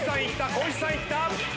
光一さんいった。